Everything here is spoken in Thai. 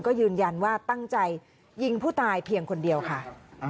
ก็ยืนยันว่าตั้งใจยิงผู้ตายเพียงคนเดียวค่ะ